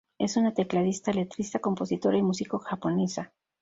Es una tecladista, letrista, compositora y músico japonesa.